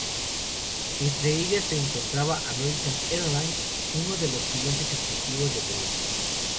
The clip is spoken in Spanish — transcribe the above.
Entre ellas, se encontraba American Airlines, uno de los clientes exclusivos de Boeing.